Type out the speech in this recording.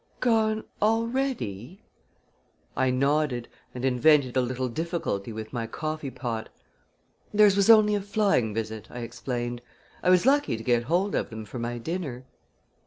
"Gone already?" I nodded and invented a little difficulty with my coffee pot. "Theirs was only a flying visit," I explained. "I was lucky to get hold of them for my dinner."